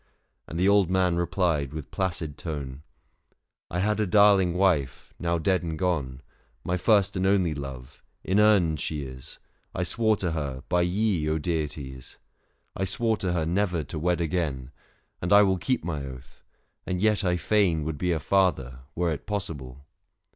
And the old man replied with placid tone — "I had a darling wife, now dead and gone, My first and only love ; inurned she is ; I swore to her, by ye, Deities ! 595 M I 162 THE FASTI. Book V. I swore to her never to wed again, And I will keep my oath : and yet I fain Would be a father, were it possible."